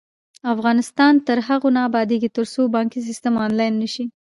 افغانستان تر هغو نه ابادیږي، ترڅو بانکي سیستم آنلاین نشي.